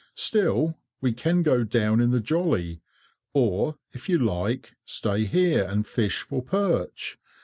Still, we can go down in the jolly, or, if you like, stay here, and fish for perch.